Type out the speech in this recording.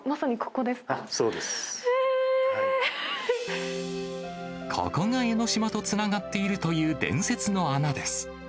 ここが江の島とつながっているという伝説の穴です。